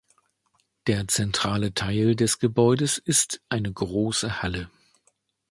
Der zentrale Teil des Gebäudes ist eine große Halle.